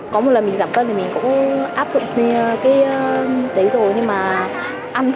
có một lần mình giảm cân thì mình cũng áp dụng chế độ ăn cắt giảm tinh bột